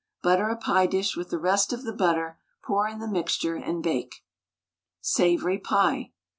Butter a pie dish with the rest of the butter, pour in the mixture, and bake. SAVOURY PIE.